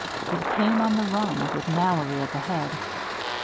It came on the run, with Mallory at the head.